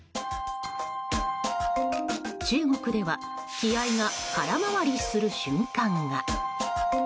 中国では気合が空回りする瞬間が。